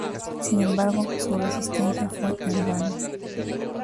Sin embargo, su resistencia fue en vano.